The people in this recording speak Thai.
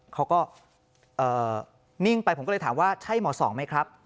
เขาก็นิ่งไปผมก็เลยถามว่าใช่หมอสองไหมครับ